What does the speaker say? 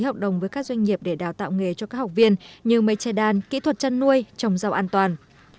cơ sở còn ký hợp đồng với các doanh nghiệp để đào tạo nghề cho các học viên như mây che đan kỹ thuật chăn nuôi trồng rau an toàn